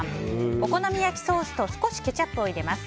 お好み焼きソースと少しケチャップを入れます。